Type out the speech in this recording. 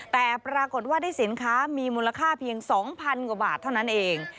แต่ปรากฏว่าได้สินค้ามีมูลค่าเพียง๒๐๐๐กว่าบาทเท่านั้นเอง